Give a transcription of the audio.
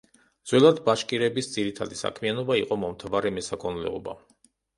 ძველად ბაშკირების ძირითადი საქმიანობა იყო მომთაბარე მესაქონლეობა.